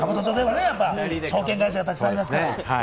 証券会社がたくさんありますから。